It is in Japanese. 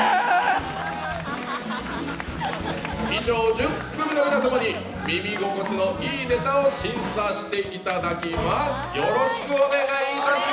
以上１０組の皆様に耳心地のいいネタを審査していただきます。